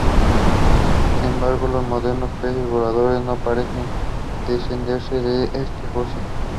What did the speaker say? Sin embargo, los modernos peces voladores no parecen descender de este fósil.